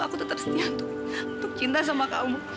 aku tetap setia untuk cinta sama kamu